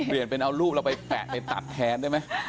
เปลี่ยนเป็นเอารูปเราไปแปะไปตัดแทนได้ไหม